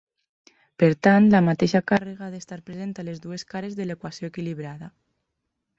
Per tant, la mateixa càrrega ha d'estar present a les dues cares de l'equació equilibrada.